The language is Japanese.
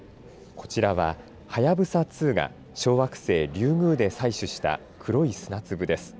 こちらは、はやぶさ２が小惑星リュウグウで採取した黒い砂粒です。